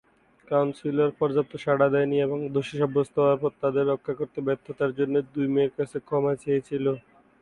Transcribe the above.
Council পর্যাপ্ত সাড়া দেয়নি এবং দোষী সাব্যস্ত হওয়ার পর, তাদের রক্ষা করতে ব্যর্থতার জন্য দুই মেয়ের কাছে ক্ষমা চেয়েছিল।